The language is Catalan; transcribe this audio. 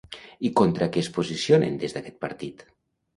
I contra què es posicionen des d'aquest partit?